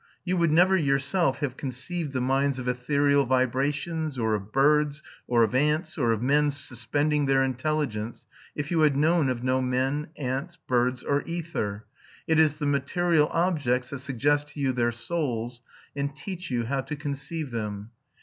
You would never yourself have conceived the minds of ethereal vibrations, or of birds, or of ants, or of men suspending their intelligence, if you had known of no men, ants, birds, or ether. It is the material objects that suggest to you their souls, and teach you how to conceive them.